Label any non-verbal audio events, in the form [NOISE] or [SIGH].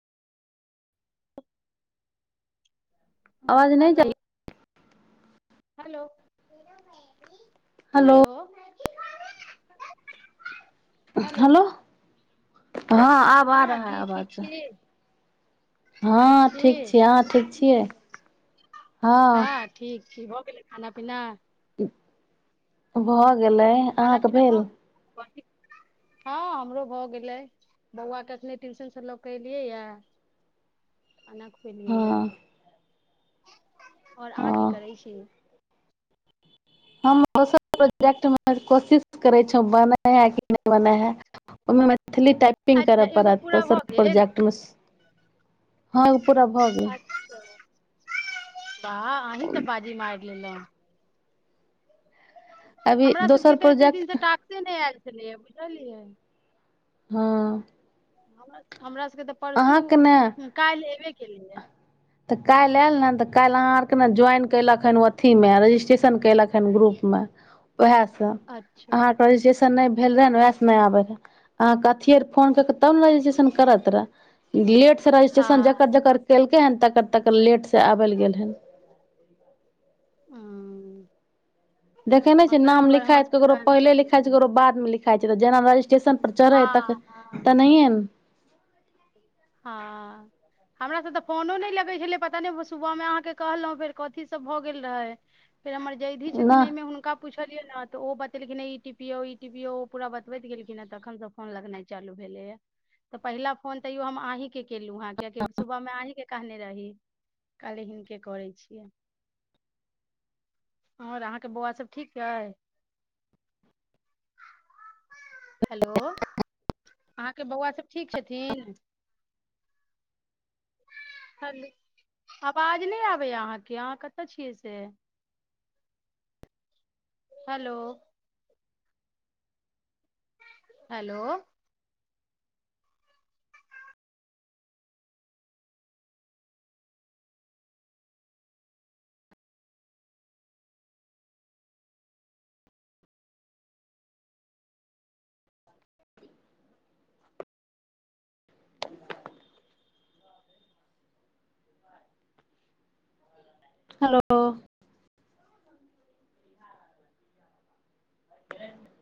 आवाज नहि हेलो जाइया हेलो हेलो हेलो हँ आब आ हँ रहा है की ठीक आवाज छी हँ ठीक छियै अहां ठीक छियै हँ ठीक की भऽ गेलै खाना पीना भ' गेलै खाना अहाँके पीना भेल भऽ गेल हँ हमरो भऽ गेलै बौआके एखने टुइसनसँ लऽ कऽ एलियैया अना खुएलियैया हँ ओर ओ अहाँ की करै छी हम दोसर प्रोजेक्टमे कोशिश करै छौ बनै है कि नहि बनै हइ ओहिमे मै थिली टाइपिंग अच्छा करऽ एगो पड़त तऽ पूरा स भऽ गेल प्रोजक्टमे हँ ओ पूरा भऽ गेल अच्छा वाह अहीं तऽ बाजी मारि लेलौ अभी हमरा दोसर सबके तऽ एते दिन प्रोजेक्ट से टाक्से नहि आयल छलैया बुझलियै हँ हमरा हमरा मरा सबके त' परसु अहाँके ने काल्हि एबे केलियै तऽ काल्हि आयल ने तऽ काल्हि अहाँ आरके ने ज्वाइन कयलक हन अथिमे रजिस्ट्रेशन कयलक हन ग्रुपमे वएहसं अच्छा अहांकें रजिस्ट्रेशन नै भेल रहय न नहि आबय रहा अहां क रतियै फोन क' के तब ने रजिस्ट्रेशन करत रहय डीलेट रजिस्ट्रेशन हँ जकर जकर केल तहन त तब तक लेटसँ आबल गेल हन हं देखै नै छै नाम लिखाइत केकरो पहिले चालू लिखाई छै भेलै केकरो बाद मे लिख खाइत छै जेना रजीस्टेशन पर चहरैह है हँ तक हँ तऽ नहिये हँ हमरास तऽ फोनो नहि लगै छलै पता नहि सुबहमे अहाँकेँ कहलहुँ फेर कथीसभ भऽ गेल रहै फेर हमर जयधि ने छथिन एहिमे हुनका पूछलियै न तऽ ओ बतेलखिन ई टीपीयौ ई टीपीयौ पूरा बतबैत गेलखिन ह तखन स फोन लगनाइ चालू भेलेय तऽ पहिला फोन तैयो हम आहि के केलू ह कियाकी सुबह में आहिके कहने रही कहली हुनके फोन करै छीयै और अहाँ के बउआ सब ठीक अय हैलो अहाँ के बउआ सब ठीक छथी थीन, आवाज़ नै आबैया या अहाँ के अहाँ कत्त छियै से हेलो हेलो हेलो [INAUDIBLE]